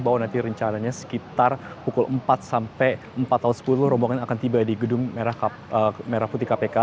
bahwa nanti rencananya sekitar pukul empat sampai empat sepuluh rombongan akan tiba di gedung merah putih kpk